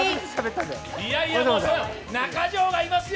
いやいや、中条がいますよ。